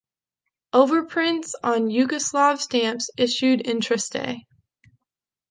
Overprints on Yugoslav stamps issued in Trieste.